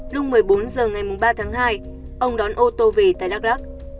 lung một mươi bốn giờ ngày ba tháng hai ông đón ô tô về tại đắk lắc